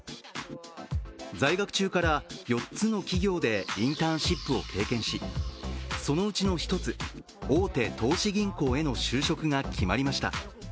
在学中から４つの企業でインターンシップを経験し、そのうちの１つ、大手投資銀行への就職が決まりました。